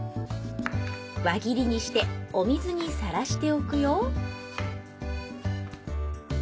輪切りにしてお水にさらしておくよ